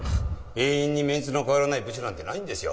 永遠にメンツの変わらない部署なんてないんですよ。